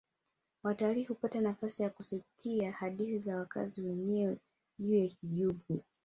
Watalii hupata nafasi ya kusikia hadithi za wakazi wenyewe juu ya kijungu